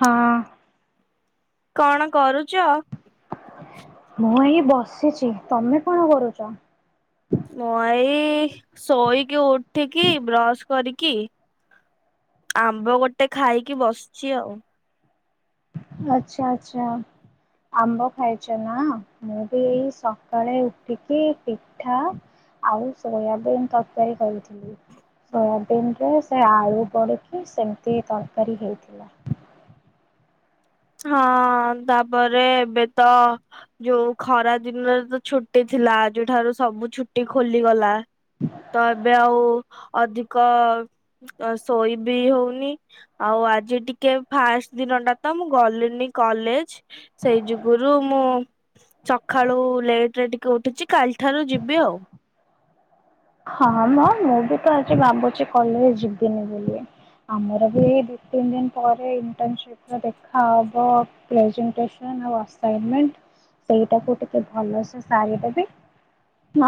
ହଁ। କଣ କରୁଛ। ମୁଁ ଏଇ ବସିଛି ତମେ କଣ କରୁଛ? ମୁଁ ଏଇ ଶୋଇକି ଉଠିକି ବ୍ରଶ କରିକି ଆମ୍ବ ଗୋଟେ ଖାଇକି ବସିଛି ଆଉ। ଆଚ୍ଛା ଆଛା। ଆମ୍ବ ଖାଇଛ ନା ମୁଁ ବି ଏଇ ସକାଳେ ଉଠିକି ପିଠା ଆଉ ସୋୟାବିନ ତରକାରୀ କରିଥିଲି। ସୋୟାବିନ ରେ ସେ ଆଳୁ ବଡ଼ିକି ସେମିତି ତରକାରୀ ହେଇଥିଲା। ହଁ ତାପରେ ଏବେ ତ ଯୋଉ ଖରା ଦିନରେ ତ ଛୁଟି ଥିଲା ଯୋଉଠାରୁ ସବୁ ଛୁଟି ଖୋଲିଗଲା। ତ ଏବେ ଆଉ ଅଧିକ ଶୋଇ ବିି ହଉନି ଆଉ ଆଜି ଟିକେ ଫାଷ୍ଟ ଦିନ ଟା ତ ମୁଁ ଗଲେନି କଲେଜ ସେଇ ଯୁଗରୁ ମୁଁ ସକାଳୁ ଲେଟ୍ ରେ ଟିକେ ଉଠୁଛି କାଲି ଠାରୁ ଯିବି ଆଉ। ହଁ ମୋ ମୁଁ ବି ତ ଆଜି ଭାବୁଛି କଲେ ଯିବିନି ବୋଲି। ଆମର ବି ଦିଇ ତିନି ଦିନ ପରେ ଇଣ୍ଟର୍ସି ବି ଦେଖାହବ ପ୍ରେଜେଣ୍ଟସନ। [unintelligible] ସେଇଟାକୁ ଟିକେ ଭଲସେ ସାରିଦେବି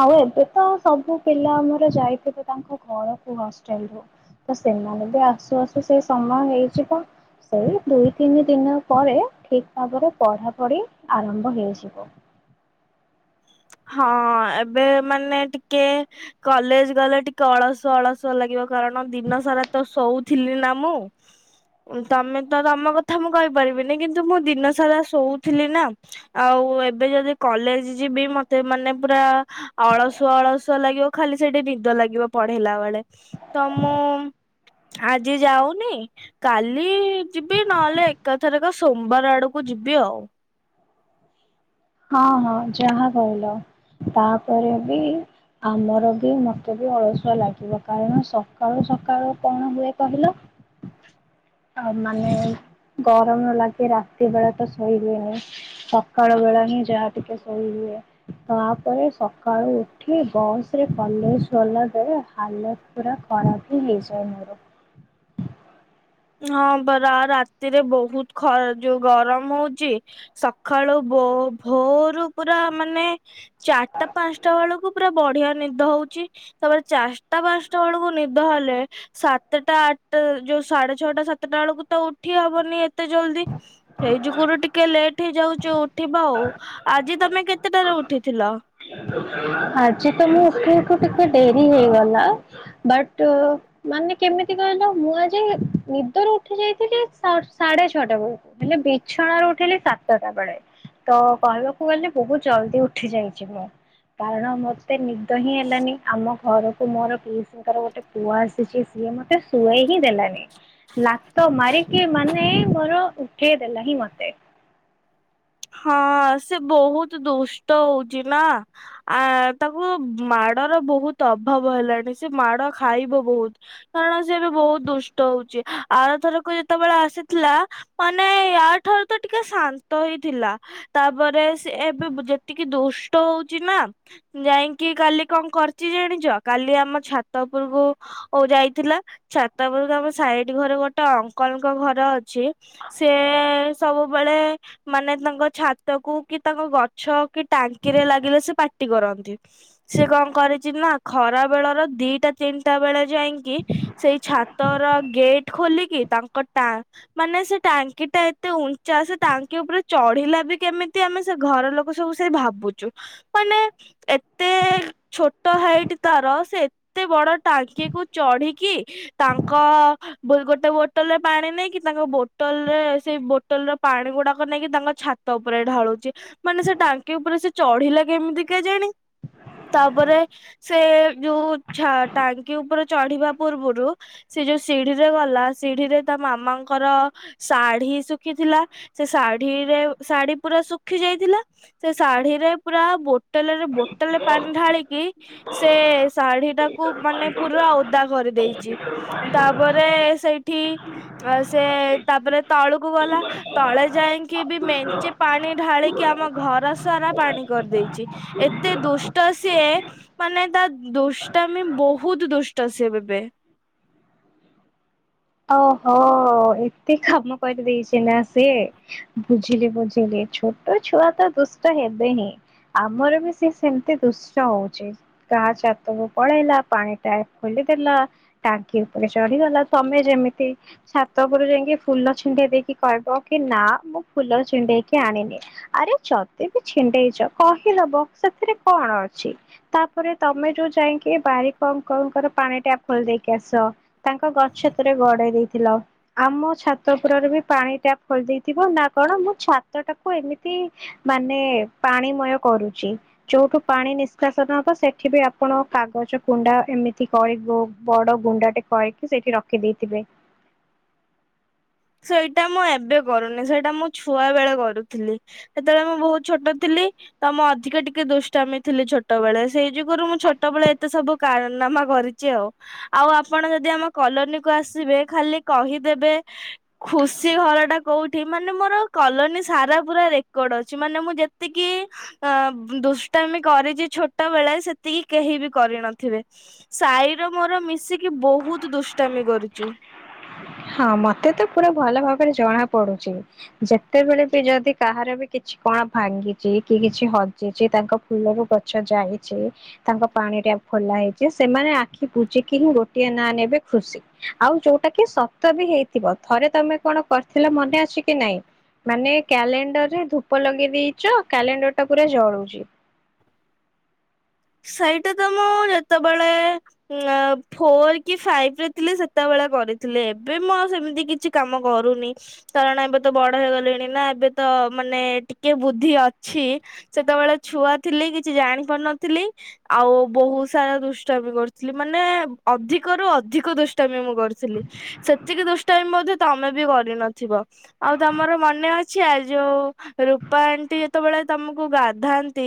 ଆଉ ଏବେ ତ ସବୁ ପିଲା ଆମର ଯାଇଥିବେ ତାଙ୍କ ଘରକୁ ହଷ୍ଟେଲ ରୁ। ତ ସେମାନେ ବି ଆସୁ ଆସୁ ସେ ସମୟ ହେଇ ଯିବ। ସେଇ ଦୁଇ ତିନି ଦିନ ପରେ ଠିକ ଭାବରେ ପଢାପଢି ଆରମ୍ଭ ହେଇଯିବ। ହଁ ଏବେ ମାନେ ଟିକେ କଲେଜ ଗଲେ ଟିକେ ଅଳସ ଅଳସ ନିଦ ଲାଗିବ କାରଣ ଦିନ ସାରା ତ ଶୋଉଥିଲି ନା ମୁଁ। ତମେ ତ ତମ କଥା ମୁଁ କହିପାରିବିନି କିନ୍ତୁ ମୁଁ ଦିନ ସାରା ଶୋଉଥିଲି ନା। ଆଉ ଏବେ ଯଦି କଲେଜ ଯିବି ମ ମତେ ମାନେ ପୁରା ଅଳସୁଆ ଅଳସୁଆ ଲାଗିବ ଖାଲି ସେଠି ନିଦ ଲାଗିବ ପଢେଇଲା ବେଳେ। ତ ମୁଁ ଆଜି ଯାଉନି କାଲି ଯିବି ନହେଲେ ଏକାଥେରେକ ସୋମବାର ଆଡକୁ ଯିବି ଆଉ। ହଁ ହଁ ଯାହା କହିଲ ତାପରେ ବି ଆମର ବି ମତେ ବି ଅଳସୁଆ ଲାଗିବ କାରଣ ସକାଳୁ ସକାଳୁ କଣ ହୁଏ କହିଲ? ହଁ ଆ ମାନେ ଗରମ ଲାଗି ରାତି ବେଳେ ତ ଶୋଇ ହୁଏନି। ସକାଳ ବେଳା ହିଁ ଯାହା ଟିକେ ଶୋଇ ହୁଏ। ତାପରେ ସକାଳୁ ଉଠି ବସ ରେ କଲେଜ ଗଲା ବେଳେ ହାଲତ ପୁରା ଖରାପ ହି ହେଇ ଯାଏ ମୋର। ହଁ ପରା ରାତିରେ ବହୁତ ଖ ଯୋଉ ଗରମ ହଉଚି। ସକାଳୁ ବୋ ଭୋରୁ ପୁରା ମାନେ ଚାର ଟା ପାଞ୍ଚ ଟା ବେଳକୁ ପୁରା ବଢିଆ ନିଦ ହଉଚି। ତାପରେ ଚାସ ଟା ପାଞ୍ଚଟା ବେଳକୁ ନିଦ ହେଲେ ସାତଟା ଆଟ ଟା ଯୋଉ ସାଢେ ଛଅଟା ସାତଟା ବେଳକୁ ତ ଉଠି ହବନି ଏତେ ଜଲ୍ଦି ସେଇ ଯୁଗରୁ ଟିକେ ଲେଟ୍ ହେଇଯାଉଜି ଉଠିବା ଆଉ ଆଜି ତମେ କେତେ ଟାରେ ଉଠିଥିଲ? ଆଜି ତ ମୁଁ ଉଠୁ ଉଠୁ ଟିକେ ଡେରି ହେଇଗଲା ବଟ ମାନେ କେମିତି କହିଲ ମୁଁ ଆଜି ନିଦରୁ ଉଠି ଯାଇଥିଲି ସା ସାଢେ ଛଅଟା ବେଳକୁ ହେଲେ ବିଛଣା ରୁ ଉଠିଲି ସାତଟା ବେଳେ। ତ କହିବାକୁ ଗଲେ ବହୁତ ଜଲଦି ଉଠି ଯାଇଚି ମୁଁ। କାରଣ ମତେ ନିଦ ହିଁ ହେଲାନି ଆମ ଘରକୁ ମୋର ପିଇଶୀଙ୍କର ଗୋଟେ ପୁଅ ଆସିଚି ସିଏ ମତେ ଶୁଏଇ ହିଁ ଦେଲାନି। ଲାତ ମାରିକି ମାନେ ମୋର ଉଠେଇ ଦେଲା ହିଁ ମତେ। ହଁ ସେ ବହୁତ ଦୁଷ୍ଟ ହଉଚି ନା। ଆ ତାକୁ ମାଡର ବହୁତ ଅଭାବ ହେଲାଣି ସେ ମାଡ ଖାଇବ ବହୁତ। କାରଣ ସେ ଏବେ ବହୁତ ଦୁଷ୍ଟ ହଉଚି ଆରଥରକ ଯେତେବେଳେ ଆସିଥିଲା ମାନେ ଇଆ ଠାରୁ ତ ଟିକେ ଶାନ୍ତ ହି ଥିଲା ତାପରେ ସେ ଏବେ ଯେତିକି ଦୁଷ୍ଟ ହଉଚି ନା ଯାଇଙ୍କି କାଲି କଣ କରିଚି ଜାଣିଚ କାଲି ଆମ ଛାତ ଉପରୁକୁ ଓ ଯାଇଥିଲା ଛାତଉପୁରୁକୁ ଆମ ସାଇଡ ଘରେ ଗୋଟେ ଅଙ୍କଲ ଙ୍କ ଘର ଅଛି ସେ ସବୁବେଳେ ମାନେ ତାଙ୍କ ଛାତକୁ କି ତାଙ୍କ ଗ ଛ କି ଟାଙ୍କିରେ ଲାଗିଲେ ସେ ପାଟି କରନ୍ତି ସେ କଣ କରିଚି ନା ଖରା ବେଳର ଦିଟା ତିନିଟା ବେଳେ ଯାଇଁଙ୍କି ସେଇ ଛାତର ଗେଟ ଖୋଲିକି ତାଙ୍କ ଟା ମାନେ ସେ ଟାଙ୍କି ଟା ଏତେ ଉଞ୍ଚା ସେ ଟା ଙ୍କି ଉପରେ ଚଢିଲା ବି କେମିତି ଆମେ ସେ ଘର ଲୋକ ସବୁ ସେ ଭାବୁଚୁ ମାନେ ଏତେ ଛୋଟ ହାଇଟ ତାର ସେ ଏତେ ବଡ ଟାଙ୍କି କୁ ଚଢିକି ତାଙ୍କ ଗୋଟେ ବୋଟଲ ରେ ପାଣି ନେଇକି ତାଙ୍କ ବୋଟଲ ରେ ସେଇ ବୋଟଲ ର ପାଣି ଗୁଡାକ ନେଇକି ତାଙ୍କ ଛାତ ଉପରେ ଢାଳୁଚି ମାନେ ସେ ଟାଙ୍କି ଉପରେ ସେ ଚଢିଲା କେମିତି କେଜାଣି। ତାପରେ ସେ ଯୋଉ ଛା ଟାଙ୍କି ଉପରେ ଚଢିବା ପୂର୍ବରୁ ସେ ଯଉ ସିଢିରେ ଗଲା ସିଢିରେ ତା ମାମାଙ୍କର ଶାଢୀ ଶୁଖିଥିଲା ସେ ଶାଢୀରେ ଶାଢୀ ପୁରା ଶୁଖି ଯାଇଥିଲା ସେ ଶାଢୀରେ ପୁରା ବୋଟଲ ରେ ବୋ ତୋଲେ ପାଣି ଢାଳିକି ସେ ଶାଢୀ ଟାକୁ ମାନେ ପୁରା ଓଦା କରିଦେଇଚି। ତାପରେ ସେଇଠି ଆ ସେ ତାପରେ ତଳୁକୁ ଗଲା ତଳେ ଯାଇଙ୍କି ବି ମେଞ୍ଚେ ପାଣି ଢାଳିକି ଆମ ଘର ସାରା ପାଣି କରିଦେଇଚି। ଏତେ ଦୁଷ୍ଟ ସିଏ। ମାନେ ତା ଦୁଷ୍ଟାମି ବହୁତ ଦୁଷ୍ଟ ସେ ଏବେ। ଓହୋ ଏତେ କାମ କରିଦେଇଚି ନା ସେ। ବୁଝିଲି ବୁଝିଲି ଛୋଟ ଛୁଆ ତ ଦୁଷ୍ଟ ହେବେ ହିଁ। ଆମର ବି ସେ ସେମିତି ଦୁଷ୍ଟ ହଉଚି। କା ଛାତକୁ ପଳେଇଲା ପାଣି ଟାଙ୍କି ଖୋଲିଦେଲା ଟାଙ୍କି ଉପରେ ଚଢିଗଲା ତମେ ଯେମିତି ଛାତ ଉପର କୁ ଯାଇଁକି ଫୁଲ ଛିଣ୍ଡେଇ ଦେଇକି କହିବ କି ନା ମୁଁ ଫୁଲ ଛିଣ୍ଡେଇକି ଆଣିନି। ଆରେ ଯଦି ବି ଛିଣ୍ଡେଇଚ କହିଦବ ସେଥିରେ କଣ ଅଛି। ତାପରେ ତମେ ଯୋଉ ଯାଇଙ୍କି ବାରିକ ଅଙ୍କଲଙ୍କ ର ପାଣି ଟ୍ୟାପ ଖୋଲି ଦେଇକି ଆସ। ତାଙ୍କ ଗଛ ଥରେ ଗଡେଇ ଦେଇଥିଲ। ଆମ ଛାତ ଉପରରେ ବି ପାଣି ଟ୍ୟାପ ଖୋଲି ଦେଇଥିବ ନା କଣ ମୁଁ ଛାତ ଟାକୁ ଏମିତି ମାନେ ପାଣିମୟ କରୁଚି। ଯୋଉଠୁ ପାଣି ନିଷ୍କାସନ ହବ ସେଠି ବି ଆପଣ କାଗଜ କୁଣ୍ଡା ଏମିତି କରିବୁ। ବଡ ଗୁଣ୍ଡା ଟେ କରିକି ସେଇଠି ରଖିଦେଇଥିବେ। ସେଇଟା ମୁଁ ଏବେ କରୁନି ସେଇଟା ମୁ ଛୁଆ ବେଳେ କରୁଥିଲି। ହେତେବେଳେ ମୁଁ ବହୁତ ଛୋଟ ଥିଲି ତ ମୁ ଅଧିକା ଟିକେ ଦୁଷ୍ଟାମୀ ଥିଲି ଛୋ ଛୋଟବେଳେ ସେଇ ଯୁଗୁରୁ ମୁଁ ଛୋଟବେଳେ ଏତେ ସବୁ କାରନାମା କରିଚି ଆଉ। ଆଉ ଆପଣ ଯଦି ଆମ କଲୋନୀ କୁ ଆସିବେ ଖାଲି କହିଦେବେ ଖୁସି ଘରଟା କଉଁଠି ମାନେ ମୋର କଲୋନୀ ସାରା ପୁରା ରେକର୍ଡ଼ ଅଛି ମାନେ ମୁଁ ଯେତିକି ଅ ଦୁଷ୍ଟାମୀ କରିଚି ଛୋଟ ବେଳେ ସେତିକି କେହି ବି କରିନଥିବେ। ସାଇର ମୋର ମିଶିକି ବହୁତ ଦୁଷ୍ଟାମି କରିଚୁ। ହଁ ମତେ ତ ପୁରା ଭଲ ଭାବରେ ଜଣା ପଡୁଚି। ଯେତେବେଳେ ବି ଯଦି କାହାର ବି କିଛି କଣ ଭାଙ୍ଗିଚି କି କିଛି ହଜିଚି ତାଙ୍କ ଫୁଲରୁ ଗ ଛ ଯାଇଛି ତାଙ୍କ ପାଣି ଟ୍ୟାପ ଖୋଲା ହେଇଚି ସେମାନେ ଆଖି ବୁଜିକି ହିଁ ଗୋଟିଏ ନାଁ ନେବେ ଖୁସି। ଆଉ ଯୋଉଟା କି ସତ ବି ହେଇଥିବ ଥରେ ତମେ କଣ କରିଥିଲ ମନେ ଅଛି କି ନାଇଁ। ମାନେ କ୍ୟାଲେଣ୍ଡର ରେ ଧୂପ ଲଗେଇ ଦେଇଚ କ୍ୟାଲେଣ୍ଡର ଟା ପୁରା ଜଳୁଚି। ସେଇଟା ତ ମୁଁ ଯେତେବେଳେ ଫୋର କି ଫାଇଭ ରେ ଥିଲି ସେତେବେଳେ କରିଥିଲି ଏବେ ମୁଁ ଆଉ ସେମିତି କିଛି କାମ କରୁନି। କାରଣ ଏବେ ତ ବଡ ହେଇଗଲିଣି ନା ଏବେ ତ ମାନେ ଟିକେ ବୁଦ୍ଧି ଅଛି। ସେତେବେଳେ ଛୁଆ ଥିଲି କିଛି ଜାଣି ପାରୁନଥିଲି। ଆଉ ବହୁତ ସାରା ଦୁଷ୍ଟାମୀ କରୁଥିଲି ମାନେ ଅଧିକରୁୁ ଅଧିକ ଦୁଷ୍ଟାମୀ ମୁଁ କରୁଥିଲି। ସେତିକି ଦୁଷ୍ଟାମୀ ମଧ୍ୟ ତମେ ବି କରିନଥିବ। ଆଉ ତମର ମନେ ଅଛି ଆ ଯୋଉ ରୂପା ଆଣ୍ଟି ଯେତେବେଳେ ତମକୁ ଗାଧାନ୍ତି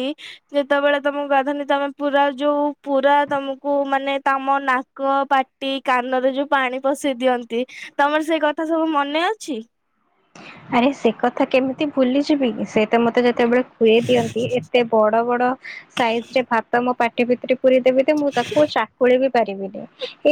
ଯେତେବେଳେ ତମୁ ଗାଧାନ୍ତି ତମେ ପୁରା ଯୋଉ ପୁରା ତମକୁ ମାନେ ତମ ନାକ ପା ଟି କାନରେ ଯୋଉ ପାଣି ପଶେଇ ଦିଅନ୍ତି ତମର ସେଇ କଥା ସବୁ ମନେ ଅଛି। ଆରେ ସେ କଥା କେମିତି ଭୁଲିଯିବି ସେ ତ ମତେ ଯେତେବେଳେ ଖୁଏଇ ଦିଅନ୍ତି ଏତେ ବଡ ବଡ ସାଇଜରେ ଭାତ ମୋ ପାଟି ଭିତରେ ପୁରେଇ ଦେବେ ଯେ ମୁଁ ତାକୁ ଚାକୁଳି ବି ପାରିବିନି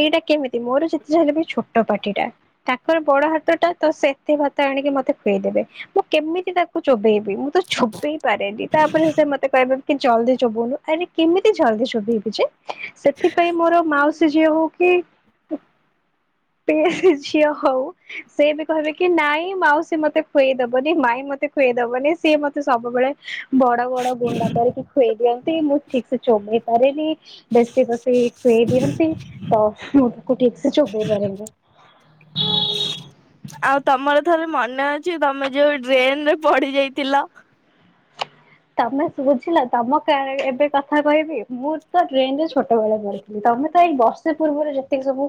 ଏଇଟା କେମିତି ମୋର ଯେତେ ଯା ହେଲେ ବି ଛୋଟ ପାଟିଟା। ତାଙ୍କର ବଡ ହାତ ଟା ତ ସେତେ ଭାତ ଆଣିକି ମତେ ତେପେଇଦେବେ ମୁଁ କେମିତି ତାକୁ ଚୋବେଇବି ମୁଁ ତ ଛୋବେଇ ପାରେନି ତାପରେ ସେ ମତେ କହିବେ ଜଲଦି ଚୋବଉନୁ ଆରେ କେମିତି ଜଲଦି ଚୋବେଇବି ଯେ ସେଥିପାଇଁ ମୋର ମାଉସୀ ସେ ଝିଅ ହଉ କି ପିଇସି ଝିଅ ହଉ ସେ ବି କହିବେ କି ନାଇଁ ମାଉସୀ ସିଏ ମତେ ଖୁଏଇ ଦବନି ମାଇଁ ମତେ ଖୁଏଇଦବନି ସିଏ ମତେ ସବୁବେଳେ ବଡ ବଡ ଗୁଣ୍ଡା କରିକି ଖୁଏଇ ଦିଅନ୍ତି ମୁଁ ଠିକ ସେ ଚୋବେଇ ପାରେନି। ବେଶୀ ବସି ଖୁଏଇ ଦିଅନ୍ତି ତ ମୁଁ ତାକୁ ଠିକ ସେ ଚୋବେଇ ପାରେନି। ଫାଙ୍କା ଅଡିଓ ଆଉ ତମର ଥରେ ମନେ ଅଛି ତମେ ଯୋଉ ଡ୍ରେନ ରେ ପଡି ଯାଇଥିଲ। ତମେ ବୁଝିଲ ତମ କ୍ୟାରେ ଏବେ କଥା କହିବି ମୁଁ ତ ଡ୍ରେନ ରେ ଛୋଟ ବେଳେ ପଡି ତମେ ତ ଏଇ ବର୍ଷେ ପୂର୍ବରୁ ଯେତିକି ସବୁ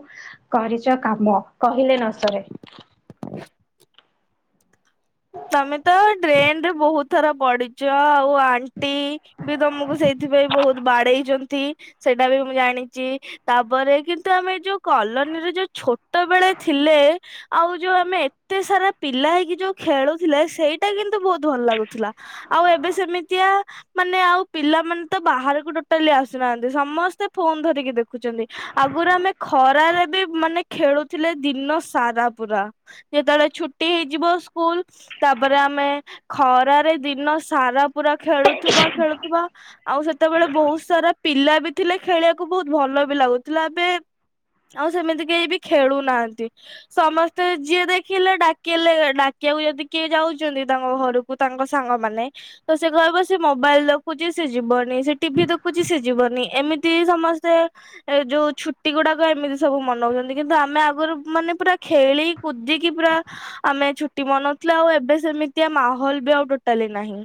କରିଚ କାମ କହିଲେ ନ ସରେ। ଫାଙ୍କା ଅଡିଓ ତମେ ତ ଡ୍ରେନ ରେ ବହୁତ ଥର ପଡିଚ ଆଉ ଆଣ୍ ଣ୍ଟି ବି ତମକୁ ସେଇଥିପାଇଁ ବହୁତ ବାଡେଇଚନ୍ତି ସେଇଟା ବି ମୁଁ ଜାଣିଚି। ତାପରେ କିନ୍ତୁ ଆମେ ଏଇ ଯୋଉ କଲୋନୀରେ ଯୋଉ ଛୋଟ ବେଳେ ଥିଲେ ଆଉ ଯୋଉ ଆମେ ଏତେ ସାରା ପିଲା ହେଇକି ଯୋଉ ଖେଳୁଥିଲେ ସେଇଟା କିନ୍ତୁ ବହୁତ ଭଲ ଲାଗୁଥିଲା। ଆଉ ଏବେ ସେମିତିଆ ମାନେ ଆଉ ପିଲାମାନେ ତ ବାହାରକୁ ଟୋଟାଲି ଆସୁନାହାନ୍ତି ସମସ୍ତେ ଫୋନ ଧରିକି ଦେଖୁ ରଖୁଚନ୍ତି ଆଗରୁ ଆମେ ଖରାରେ ବି ମାନେ ଖେଳୁଥିଲେ ଦିନ ସାରା ପୁରା। ଯେତେବେଳେ ଛୁଟି ହେଇଯିବ ସ୍କୁଲ ତାପରେ ଆମେ ଖରାରେ ଦିନ ସାରା ପୁରା ଖେଳୁଥିବା ଖେଳୁ ଥିବା ଆଉ ସେତେବେଳେ ବହୁତ ସାରା ପିଲା ବି ଥିଲେ ଖେଳିବାକୁ ବହୁତ ଭଲ ବି ଲାଗୁଥିଲା ଏବେ ଆଉ ସେମିତି କେହି ବି ଖେଳୁନାହାନ୍ତି। ସମସ୍ତେ ଯିଏ ଦେଖିଲେ ଡାକିଲେ ଡାକ୍ କେଉ ଯଦି କିଏ ଯାଉଚନ୍ତି ତାଙ୍କ ଘରକୁ ତାଙ୍କ ସାଙ୍ଗମାନେ ତ ସେ କହିବ ସେ ମୋବାଇଲ ଦେଖୁଚି ସେ ଯିବନି ସେ ଟିଭିି ଦେଖୁଚିସେ ଯିବନି ଏମିତି ହିଁ ସମସ୍ତେ ଏ ଯୋଉ ଛୁଟି ଗୁଡାକ ଏମିତି ସବୁ ମନଉଚନ୍ତି କିନ୍ତୁ ଆମେ ଆଗରୁ ମାନେ ପୁରା ଖେଳି କୁଦିକି ପୁରା ଆମେ ଛୁଟି ମନଉଥିଲୁ ଆଉ ଏବେ ସେମିତିଆ ମାହୋଲ ବି ଆଉ ଟୋଟାଲେ ନାହିଁ।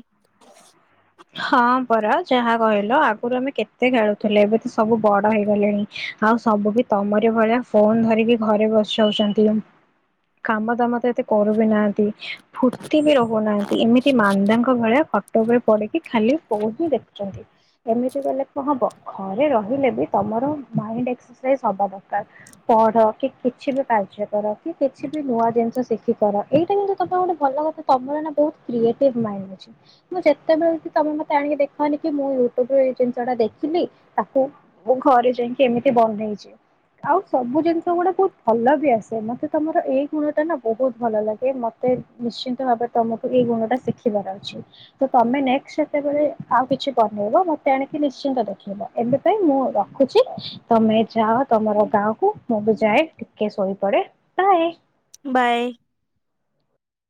ହଁ ପରା ଯାହା କହିଲ ଆଗୁରୁ ଆମେ କେତେ ଖେଳୁଥିଲେ ଏବେ ତ ସବୁ ବଡ ହେଇଗଲେଣି। ଆଉ ସବୁ ବି ତମରି ଭଳିଆ ଫୋନ ଧରିକି ଘରେ ବସିଯାଉଚନ୍ତି। କାମ ଦାମ ତ ଏତେ କରୁ ବି ନାହାନ୍ତି। ଫୁର୍ତ୍ତି ବି ରହୁନାହାନ୍ତି ଏମିତି ମାନ୍ଦାଙ୍କ ଭଳିଆ ଖଟ ଉପରେ ପଡିକି ଖାଲି ଫୋନ ହିଁ ଦେଖୁଚନ୍ତି ଏମିତି କଲେ କଁ ହବ? ଘରେ ରହିଲେ ବି ତମର ମାଇଣ୍ଡ ଏକ୍ସପ୍ରେସ ହବା ଦରକାର। ପଢ କି କିଛି ବି କାର୍ଯ୍ୟ କର କି କିଛି ବି ନୂଆ ଜିନିଷ ଶିଖିପାର ଏଇଟା କିନ୍ତୁ ତମେ ଗୋଟେ ଭଲ କଥା ତମର ନା ବହୁତ କ୍ରିଏଟିଭ ମାଇଣ୍ଡ ଅଛି ମୁଁ ଯେତେବେଳେ ବି ତମେ ମତେ ଆଣିକି ଦେଖଅନି କି ମୁଁ ୟୁଟ୍ୟୁବରୁ ଏଇ ଜିନିଷ ଟା ଦେଖିଲି ତାକୁ ମୁଁ ଘରେ ଯାଇକି ଏମିତି ବନେଇଚି। ଆଉ ସବୁ ଜିନିଷ ଗୁଡା ବହୁତ ଭଲ ବି ଆସେ ମତେ ତମର ଏଇ ଗୁଣ ଟା ନା ବହୁତ ଭଲ ଲାଗେ ମ ମତେ ନିଶ୍ଚିନ୍ତ ଭାବରେ ତମଠୁ ଏଇ ଗୁଣ ଟା ଶିଖିବାର ଅଛି ତ ତମେ ନେକ୍ସଟ ଯେତେବେଳେ ଆଉ କିଛି ବନେଇବ ମତେ ଆଣିକି ନିଶ୍ଚିନ୍ତ ଦେଖେଇବ ଏବେ ପାଇଁ ମୁଁ ରଖୁଚି। ତମେ ଯାଅ ତମର ଗାଁ କୁ ମୁଁ ବି ଯାଏ ଟିକେ ଶୋଇପଡେ ବାଏ। ବାଏ।